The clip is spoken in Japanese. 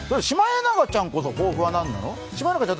シマエナガちゃんこそ抱負は何なの？